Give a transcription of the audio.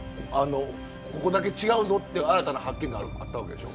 ここだけ違うぞって新たな発見があったわけでしょ？